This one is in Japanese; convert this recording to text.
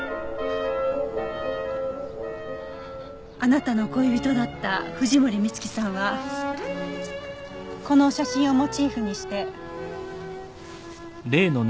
あなたの恋人だった藤森充希さんはこの写真をモチーフにして。